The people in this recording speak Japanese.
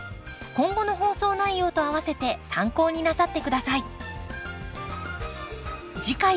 今後の放送内容とあわせて参考になさって下さい。